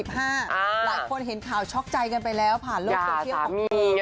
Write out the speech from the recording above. หลายคนเห็นข่าวช็อกใจกันไปแล้วผ่านโลกโซเชียลของเธอ